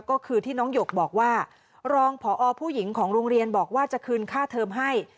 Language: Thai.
ก็คือที่น้องหยกบอกว่ารองพอผู้หญิงของโรงเรียนบอกว่าจะคืนค่าเทอมให้